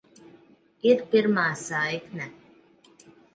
Ir pirmā saikne.